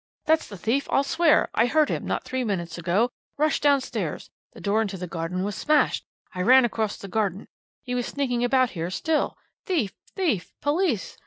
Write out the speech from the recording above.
That's the thief I'll swear I heard him not three minutes ago rushed downstairs the door into the garden was smashed I ran across the garden he was sneaking about here still Thief! Thief! Police!